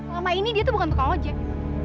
lama ini dia tuh bukan tukang ojek